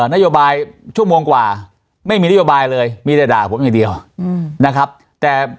นโยบายชั่วโมงกว่าไม่มีนโยบายเลยมีแต่ด่าผมอย่างเดียวนะครับแต่